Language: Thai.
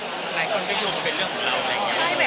หลายคนก็รู้ว่ามันเป็นเรื่องของเรา